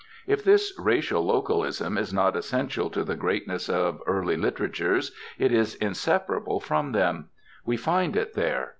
If this racial localism is not essential to the greatness of early literatures, it is inseparable from them; we find it there.